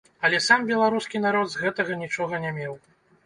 Але сам беларускі народ з гэтага нічога не меў.